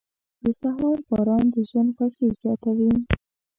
• د سهار باران د ژوند خوښي زیاتوي.